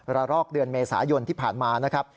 รอกเดือนเมษายนที่ผ่านมานะครับ